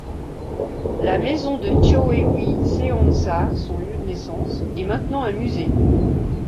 La maison de Choeui Seonsa, son lieu de naissance, est maintenant un musée.